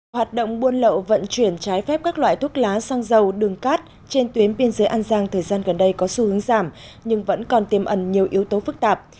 hoạt động buôn lậu vận chuyển trái phép các loại thuốc lá xăng dầu đường cát trên tuyến biên giới an giang thời gian gần đây có xu hướng giảm nhưng vẫn còn tiêm ẩn nhiều yếu tố phức tạp